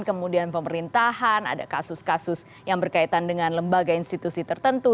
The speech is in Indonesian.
kemudian pemerintahan ada kasus kasus yang berkaitan dengan lembaga institusi tertentu